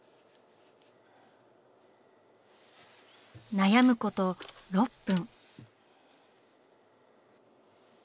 悩むこと６分。